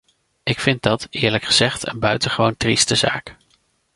Ik vind dat, eerlijk gezegd, een buitengewoon trieste zaak.